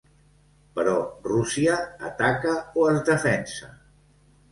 Però Rússia ataca o es defensa?